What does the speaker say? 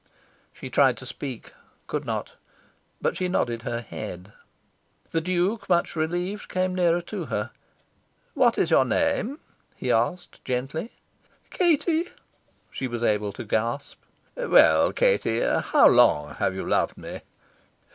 She tried to speak, could not. But she nodded her head. The Duke, much relieved, came nearer to her. "What is your name?" he asked gently. "Katie," she was able to gasp. "Well, Katie, how long have you loved me?"